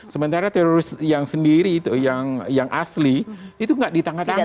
sementara teroris yang sendiri yang asli itu tidak ditangkap tangkap